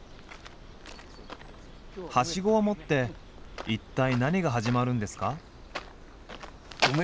はしごを持って一体何が始まるんですか？